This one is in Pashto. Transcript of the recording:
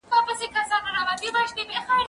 زه اجازه لرم چي چپنه پاک کړم؟!